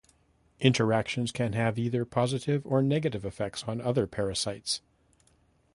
Interactions can have either positive or negative effects on other parasites.